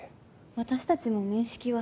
私たちも面識は。